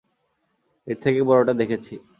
এর থেকে বড়টা দেখেছি।